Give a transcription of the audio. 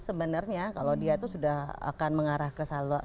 sebenarnya kalau dia tuh sudah akan mengarah ke salur salur